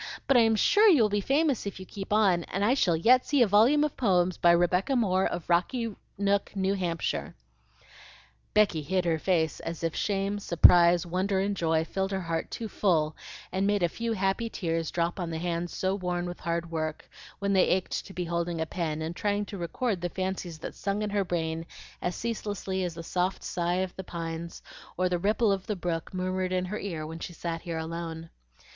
But I'm sure you will be famous if you keep on, and I shall yet see a volume of poems by Rebecca Moore of Rocky Nook, New Hampshire." Becky hid her face as if shame, surprise, wonder, and joy filled her heart too full and made a few happy tears drop on the hands so worn with hard work, when they ached to be holding a pen and trying to record the fancies that sung in her brain as ceaselessly as the soft sough of the pines or the ripple of the brook murmured in her ear when she sat here alone.